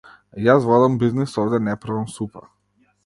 Јас водам бизнис овде не правам супа.